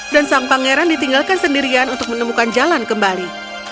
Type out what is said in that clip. dan sang pangeran ditinggalkan sendirian untuk menemukan jalan kembali